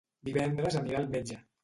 Divendres anirà al metge.